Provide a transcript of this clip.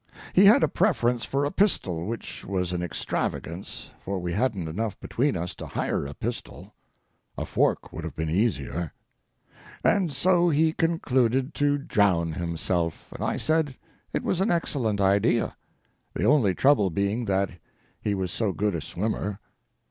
He had a preference for a pistol, which was an extravagance, for we hadn't enough between us to hire a pistol. A fork would have been easier. And so he concluded to drown himself, and I said it was an excellent idea—the only trouble being that he was so good a swimmer.